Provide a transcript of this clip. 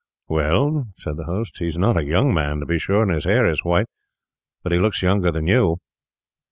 'Well,' said the host, 'he's not a young man, to be sure, and his hair is white; but he looks younger than you.